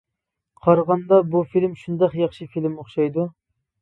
قارىغاندا بۇ فىلىم شۇنداق ياخشى فىلىم ئوخشايدۇ.